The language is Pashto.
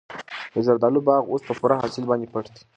د زردالو باغ اوس په پوره حاصل باندې پټ دی.